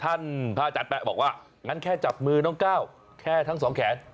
พระอาจารย์แป๊ะบอกว่างั้นแค่จับมือน้องก้าวแค่ทั้งสองแขน